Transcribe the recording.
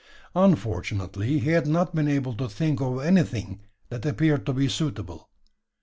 Unfortunately, he had not been able to think of anything that appeared to be suitable.